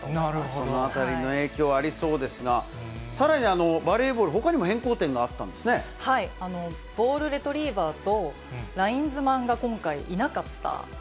そのあたりの影響、ありそうですが、さらにバレーボール、ボールレトリーバーとラインズマンが今回、いなかったんですね。